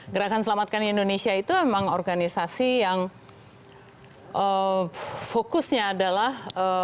gerakan selamatkan indonesia itu memang organisasi yang fokusnya adalah